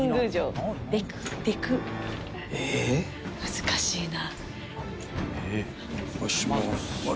難しいな。